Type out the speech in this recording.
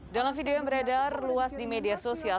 dalam video yang beredar luas di media sosial